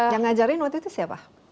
yang ngajarin waktu itu siapa